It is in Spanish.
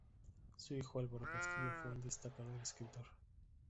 Su hijo Álvaro Castillo fue un destacado escritor.